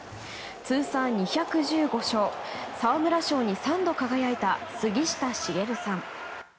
通算２１５勝沢村賞に３度輝いた杉下茂さん。